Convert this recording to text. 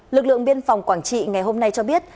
lực lượng biên phòng quảng trị ngày hôm nay cho biết